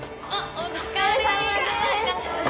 お疲れさまです。